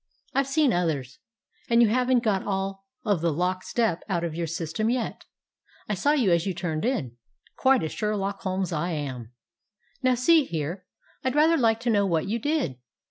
I Ve seen others. And you have n't got all of the lock step out of your system yet. I saw you as you turned in. Quite a Sherlock Holmes, I am. Now, see here; I 'd rather like to know what you did.